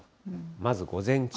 まず午前中。